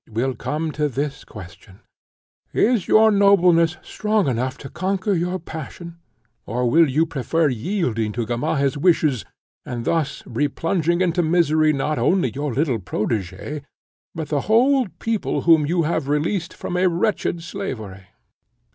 It will come to this question: is your nobleness strong enough to conquer your passion, or will you prefer yielding to Gamaheh's wishes, and thus replunging into misery not only your little protegé, but the whole people whom you have released from a wretched slavery?